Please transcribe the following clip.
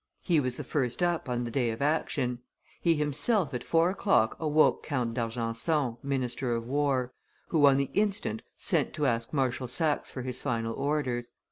He was the first up on the day of action; he himself at four o'clock awoke Count d'Argenson, minister of war, who on the instant sent to ask Marshal Saxe for his final orders.